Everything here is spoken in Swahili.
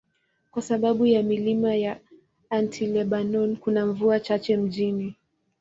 Kwa sababu ya milima ya Anti-Lebanon, kuna mvua chache mjini.